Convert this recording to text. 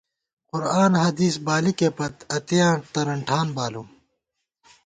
قرآن حدیث بالِکےپت ، اتېیاں ترَن ٹھان بالُوم